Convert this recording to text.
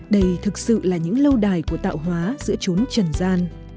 đây thực sự là những lâu đài của tạo hóa giữa trốn trần gian